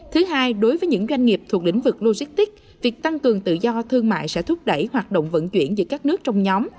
thứ hai đối với những doanh nghiệp thuộc lĩnh vực logistics việc tăng cường tự do thương mại sẽ thúc đẩy hoạt động vận chuyển giữa các nước trong nhóm